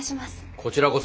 こちらこそ！